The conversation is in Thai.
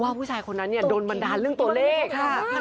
ผู้ชายคนนั้นโดนบันดาลเรื่องตัวเลข